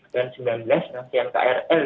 dan sembilan belas rangsian krl baru ini